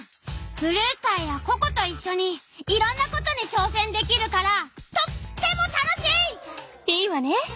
ブルースターやココといっしょにいろんなことにちょうせんできるからとっても楽しい！いいわね。